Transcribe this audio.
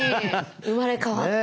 生まれ変わった。